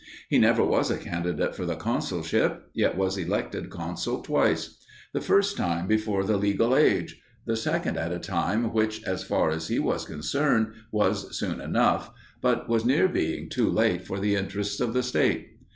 He never was a candidate for the consulship, yet was elected consul twice: the first time before the legal age; the second at a time which, as far as he was concerned, was soon enough, but was near being too late for the interests of the State.